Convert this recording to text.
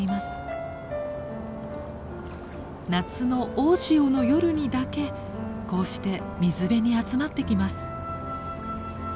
夏の大潮の夜にだけこうして水辺に集まってきます。